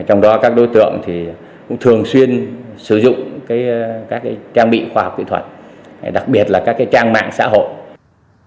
trong đó các đối tượng thì cũng thường xuyên sử dụng các cái trang bị khoa học kỹ thuật đặc biệt là các cái trang mạng xã hội